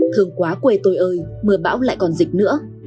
thường quá quê tôi ơi mưa bão lại còn dịch nữa